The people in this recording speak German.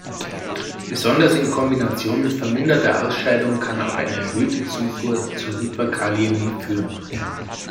Besonders in Kombination mit verminderter Ausscheidung kann auch eine erhöhte Zufuhr zur Hyperkaliämie führen.